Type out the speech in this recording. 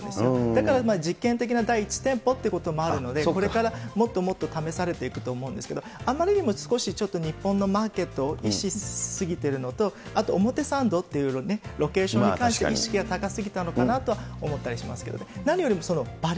だから、実験的な第１店舗ということもあるので、これからもっともっと試されていくと思うんですけれども、あまりにも少しちょっと日本のマーケットを意識し過ぎてるのと、あと表参道というロケーションに関して意識が高すぎたのかなと思ったりしますけどもね。